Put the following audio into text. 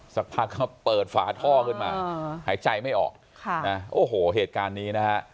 สักพักก็เปิดฝาท่อขึ้นมาหายใจไม่ออกค่ะนะโอ้โหเหตุการณ์นี้นะฮะ